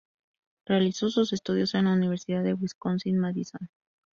Realizó sus estudios en la Universidad de Wisconsin Madison.